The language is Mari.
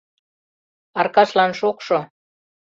— Аркашлан шокшо.